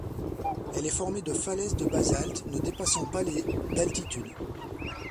Elle est formée de falaises de basalte ne dépassant pas les d'altitude.